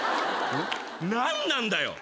何なんだよ？